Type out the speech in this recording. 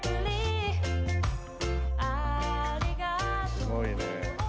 すごいね。